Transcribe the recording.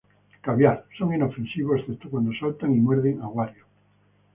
Caviar.Son inofensivos, excepto cuando saltan y muerden a Wario.